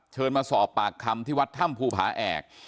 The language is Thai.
เชิญมาสอบปากคำที่วัดถ้ำภูผาแอก